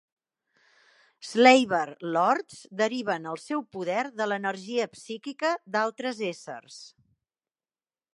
"Slaver Lords" deriven el seu poder de l'energia psíquica d'altres essers.